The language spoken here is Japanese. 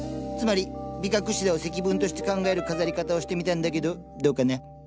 つまりビカクシダを積分として考える飾り方をしてみたんだけどどうかな？